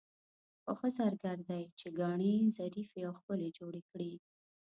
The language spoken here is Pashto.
خو ښه زرګر هغه دی چې ګاڼې ظریفې او ښکلې جوړې کړي.